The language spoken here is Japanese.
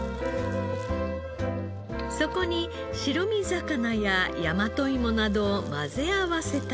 そこに白身魚や大和芋などを混ぜ合わせたら。